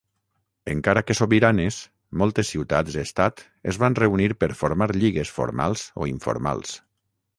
Encara que sobiranes, moltes ciutats estat es van reunir per formar lligues formals o informals.